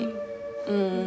うん。